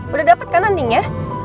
udah dapet kan antingnya